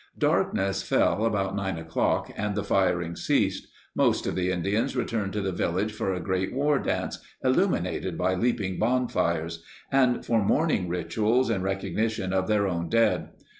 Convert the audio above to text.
Darkness fell about nine o'clock, and the firing ceased. Most of the Indians returned to the village for a great war dance illuminated by leaping bonfires— and for mourning rituals in recognition of their own dead.